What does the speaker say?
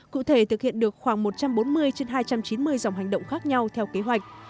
cụ thể thực hiện được khoảng một trăm bốn mươi trên hai trăm chín mươi dòng hành động khác nhau theo kế hoạch